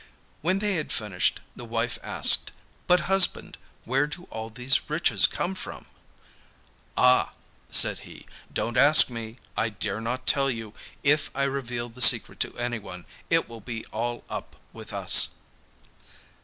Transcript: When they had finished the wife asked, 'But husband, where do all these riches come from?' 'Ah!' said he, 'don't ask me. I dare not tell you. If I reveal the secret to anyone, it will be all up with us.